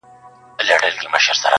مار پر ږغ کړل ویل اې خواره دهقانه،